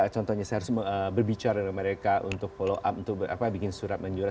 contohnya saya harus berbicara dengan mereka untuk follow up untuk bikin surat menjual